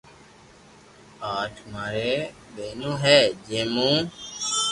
آٺ ماري ٻينو ھي جي مون